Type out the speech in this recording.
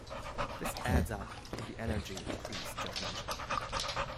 This adds up to the energy increase just mentioned.